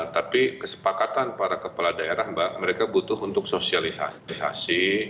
tapi kesepakatan para kepala daerah mbak mereka butuh untuk sosialisasi